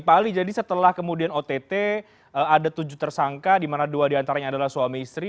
pak ali jadi setelah kemudian ott ada tujuh tersangka di mana dua diantaranya adalah suami istri